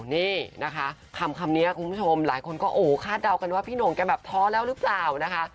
นี่นะคะคำนี้คุณผู้ชมหลายคนก็โอ้คาดเดากันว่าพี่หน่งแกแบบท้อแล้วหรือเปล่านะคะ